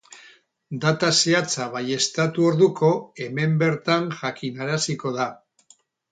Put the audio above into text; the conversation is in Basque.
Data zehatza baieztatu orduko, hemen bertan jakinaraziko da.